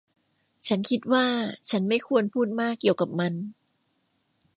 ฉันคิดว่าฉันไม่ควรพูดมากเกี่ยวกับมัน